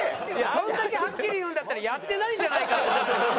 そんだけはっきり言うんだったらやってないんじゃないかって思っちゃう。